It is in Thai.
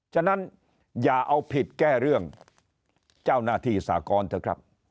ฉะนั้นอย่าเอาผิดแก้เรื่องเจ้าหน้าที่สากรเถอะครับ